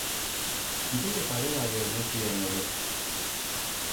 Ideia paregabea eman zidan horrek.